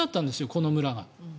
この村が。